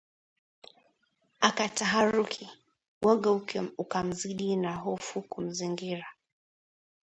Akataharuki! Woga ukamzidi na hofu kumzingira